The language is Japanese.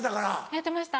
やってました。